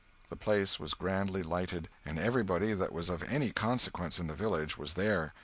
The place was grandly lighted, and everybody that was of any consequence in the village was there.